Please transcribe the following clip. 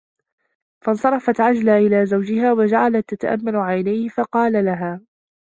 فَانْصَرَفَتْ عَجْلَى إلَى زَوْجِهَا وَجَعَلَتْ تَتَأَمَّلُ عَيْنَيْهِ فَقَالَ لَهَا